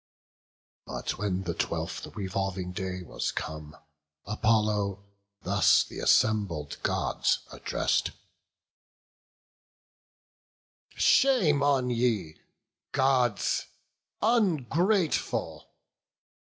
But when the twelfth revolving day was come, Apollo thus th' assembled Gods address'd: "Shame on ye, Gods, ungrateful!